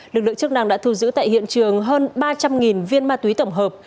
lực lượng chức năng đã thu giữ tại hiện trường hơn ba trăm linh viên ma túy tổng hợp